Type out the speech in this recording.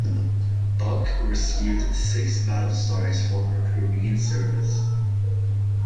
"Buck" received six battle stars for her Korean service.